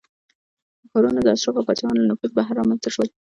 ښارونه د اشرافو او پاچاهانو له نفوذ بهر رامنځته شول